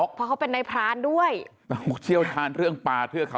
ก่อนมันจะหยุดอ่ะ